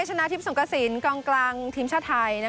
ชนะทิพย์สงกระสินกองกลางทีมชาติไทย